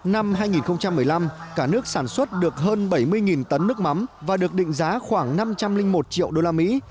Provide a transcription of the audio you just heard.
năm hai nghìn một mươi năm cả nước sản xuất được hơn bảy mươi tấn nước mắm và được định giá khoảng năm trăm linh một triệu đô la mỹ